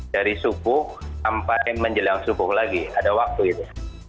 dari subuh sampai menjelang subuh lagi ada waktu itu